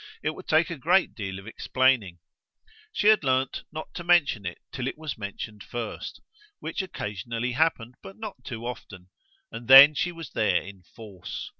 it would take a great deal of explaining. She had learned not to mention it till it was mentioned first which occasionally happened, but not too often; and then she was there in force.